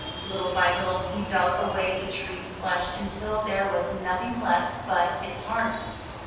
Little by little he dug away the tree*s flesh until there was nothing left but its heart.